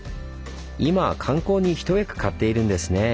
今は観光に一役買っているんですねぇ。